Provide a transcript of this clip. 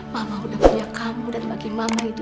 mama udah punya kamu dan bagi mama itu